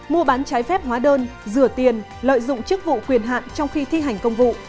mua bán trái phép hóa đơn rửa tiền lợi dụng chức vụ quyền hạn trong khi thi hành công vụ